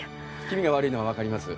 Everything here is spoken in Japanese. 気味が悪いのはわかります。